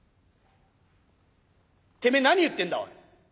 てめえ何言ってんだおい。